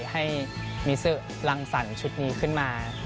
ให้มิซึรังสรรค์ชุดนี้ขึ้นมา